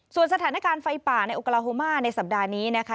ส่วนสถานการณ์ไฟป่าในโอกาลาโฮมาในสัปดาห์นี้นะคะ